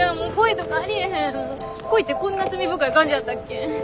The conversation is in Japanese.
恋ってこんな罪深い感じやったっけ？